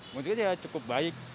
maksudnya cukup baik